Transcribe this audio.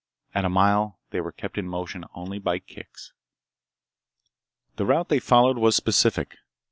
At a mile, they were kept in motion only by kicks. The route they followed was specific.